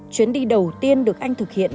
chuyến đi đầu tiên được anh thực hiện